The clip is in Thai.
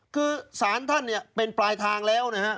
คือสารท่านเป็นปลายทางแล้วนะครับ